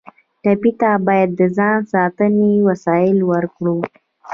ټپي ته باید د ځان ساتنې وسایل ورکړو.